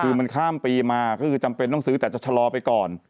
คือมันข้ามปีมาก็คือจำเป็นต้องซื้อแต่จะชะลอไปก่อน